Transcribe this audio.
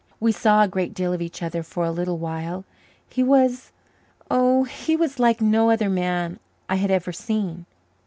We saw a great deal of each other for a little while. He was oh, he was like no other man I had ever seen.